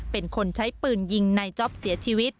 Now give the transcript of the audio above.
เป็นคนใช้ปืนยิงในจ๊อปเสียชีวิต